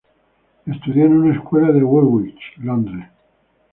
Estudió en una escuela en Woolwich, Londres.